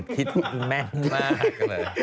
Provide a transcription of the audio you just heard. คิดแม่นมากเลย